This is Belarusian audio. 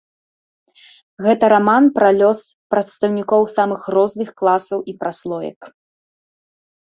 Гэта раман пра лёс прадстаўнікоў самых розных класаў і праслоек.